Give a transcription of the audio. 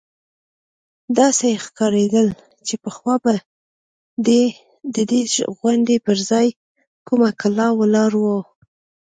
داسې ښکارېدل چې پخوا به د دې غونډۍ پر ځاى کومه کلا ولاړه وه.